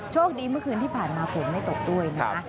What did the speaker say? โชคดีเมื่อคืนที่ผ่านมาผลไม่ตกด้วยนะครับ